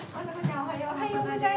おはようございます！